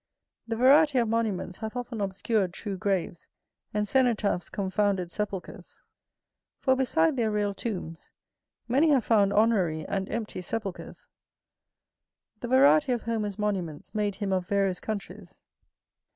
The variety of monuments hath often obscured true graves; and cenotaphs confounded sepulchres. For beside their real tombs, many have found honorary and empty sepulchres. The variety of Homer's monuments made him of various countries.